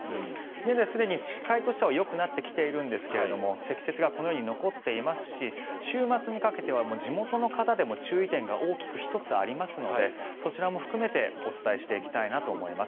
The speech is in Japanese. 現在、すでに視界としてはよくなってきてるんですが積雪がこのように残っていますし週末にかけては地元の方でも注意点が大きく１つありますのでそちらも含めてお伝えしていきたいなと思います。